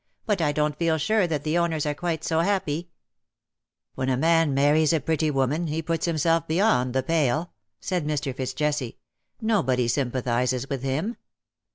" But I don^t feel sure that the owners are quite so happy .''^" When a man marries a pretty woman, he puts himself beyond the pale,^"* said Mr. Fitz Jesse; " nobody sympathizes with him.